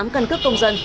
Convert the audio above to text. tám căn cước công dân